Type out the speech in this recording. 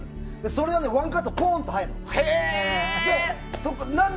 それはワンカットでポンと入るの。